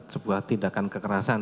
sebuah tindakan kekerasan